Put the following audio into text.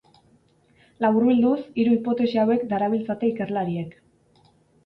Laburbilduz, hiru hipotesi hauek darabiltzate ikerlariek.